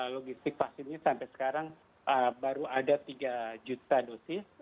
logistik vaksinnya sampai sekarang baru ada tiga juta dosis